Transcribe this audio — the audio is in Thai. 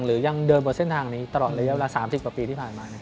หรือยังเดินบนเส้นทางนี้ตลอดระยะเวลา๓๐กว่าปีที่ผ่านมา